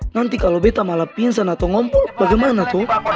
nanti kalau bete malah pinsan atau ngumpul bagaimana tuh